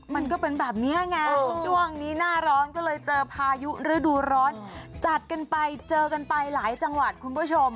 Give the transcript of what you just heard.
มันก็เป็นแบบนี้ไงช่วงนี้หน้าร้อนก็เลยเจอพายุฤดูร้อนจัดกันไปเจอกันไปหลายจังหวัดคุณผู้ชม